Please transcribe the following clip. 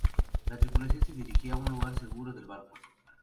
La tripulación es dirigida a un lugar seguro del barco.